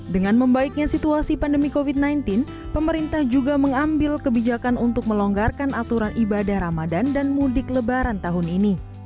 dengan membaiknya situasi pandemi covid sembilan belas pemerintah juga mengambil kebijakan untuk melonggarkan aturan ibadah ramadan dan mudik lebaran tahun ini